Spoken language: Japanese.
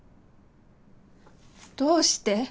どうして？